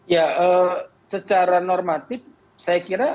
ya secara normatif saya kira